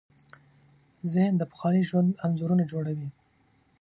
ذهن د پخواني ژوند انځورونه جوړوي.